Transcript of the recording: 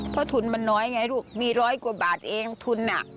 เพราะทุนมันน้อยไงลูกมีร้อยกว่าบาทเองทุน